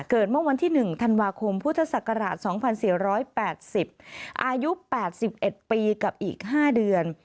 เกิดเมื่อวันที่๑ธันวาคมพศ๒๔๘๐อายุ๘๑ปีกับอีก๕เดือน